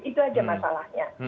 itu aja masalahnya